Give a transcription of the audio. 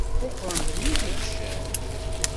Quqṛen-tent-id ibeccan.